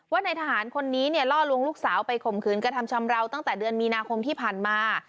ว่าในทหารคนนี้เนี่ยล่อลวงลูกสาวไปข่มขืนกระทำชำราวตั้งแต่เดือนมีนาคมที่ผ่านมา